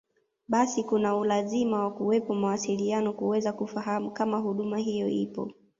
Basi kuna ulazima wa kuwepo mawasiliano kuweza kufahamu kama huduma hiyo ipo